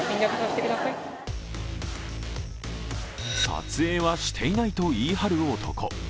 撮影はしていないと言い張る男。